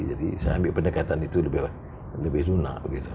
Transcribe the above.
jadi saya ambil pendekatan itu lebih lunak